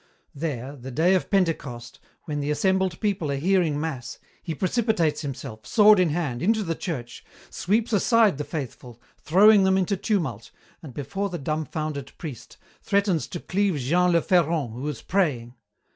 There, the day of Pentecost, when the assembled people are hearing mass, he precipitates himself, sword in hand, into the church, sweeps aside the faithful, throwing them into tumult, and, before the dumbfounded priest, threatens to cleave Jean le Ferron, who is praying.